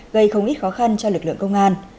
gây không ít khó khăn cho lực lượng công an